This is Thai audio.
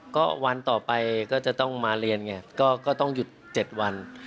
ก็วันต่อไปก็จะต้องมาเรียนไงก็ต้องหยุด๗วัน